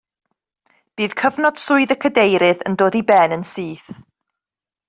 Bydd cyfnod swydd y cadeirydd yn dod i ben yn syth